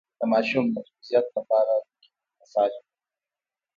د ماشوم د قبضیت لپاره د ګیډې مساج وکړئ